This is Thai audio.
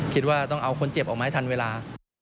คิดว่าต้องเอาคนเจ็บออกมาให้ทันเวลา